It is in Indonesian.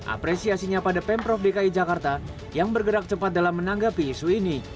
apresiasinya pada pemprov dki jakarta yang bergerak cepat dalam menanggapi isu ini